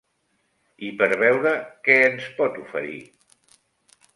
I per beure què ens pot oferir?